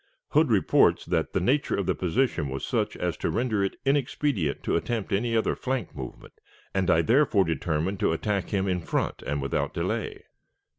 Hood reports that "the nature of the position was such as to render it inexpedient to attempt any other flank movement, and I therefore determined to attack him in front and without delay."